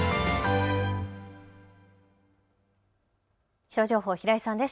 気象情報、平井さんです。